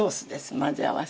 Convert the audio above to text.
混ぜ合わせて」